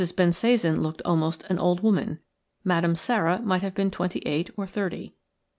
Bensasan looked almost an old woman; Madame Sara might have been twenty eight or thirty.